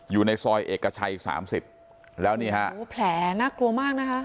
อยู่ในซอยเอกชัย๓๐แล้วนี่ฮะโอ้แผลน่ากลัวมากนะคะ